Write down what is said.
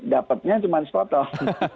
dapatnya cuma sepotong